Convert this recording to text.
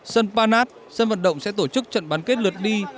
sân panas sân vận động sẽ tổ chức trận bán kết lượt đi